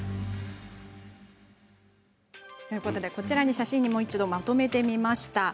写真にもう一度まとめてみました。